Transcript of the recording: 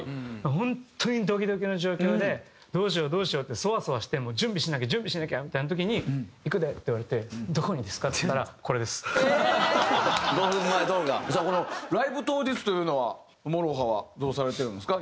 ホントにドキドキの状況でどうしようどうしようってソワソワして準備しなきゃ準備しなきゃみたいな時に「行くで」って言われて「どこにですか？」って言ったらこれです。５分前動画。さあこのライブ当日というのはＭＯＲＯＨＡはどうされてるんですか？